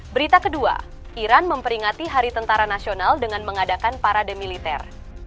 berita kedua iran memperingati hari tentara nasional dengan mengadakan parade militer